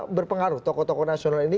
berpengaruh tokoh tokoh nasional ini